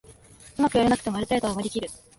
うまくやれなくてもある程度は割りきる